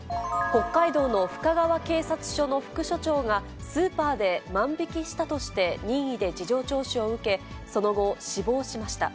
北海道の深川警察署の副署長がスーパーで万引きしたとして任意で事情聴取を受け、その後、死亡しました。